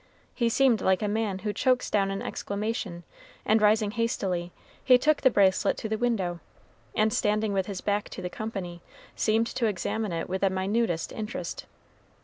He seemed like a man who chokes down an exclamation; and rising hastily, he took the bracelet to the window, and standing with his back to the company, seemed to examine it with the minutest interest.